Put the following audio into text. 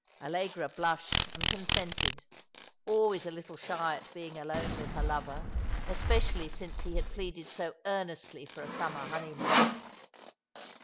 Allegra blushed and consented, always a little shy at being alone with her lover, especially since he had pleaded so earnestly for a summer honeymoon.